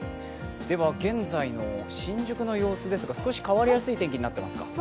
現在の新宿の様子ですが少し変わりやすい天気になっていますか？